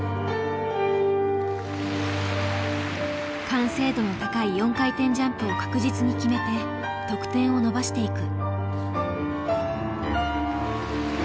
完成度の高い４回転ジャンプを確実に決めて得点を伸ばしていく。